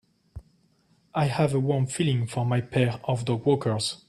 I have a warm feeling for my pair of dogwalkers.